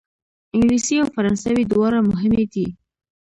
انګلیسي او فرانسوي دواړه مهمې دي.